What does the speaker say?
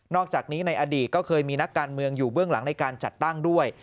อกจากนี้ในอดีตก็เคยมีนักการเมืองอยู่เบื้องหลังในการจัดตั้งด้วย